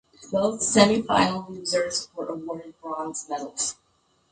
Both semifinal losers were awarded bronze medals.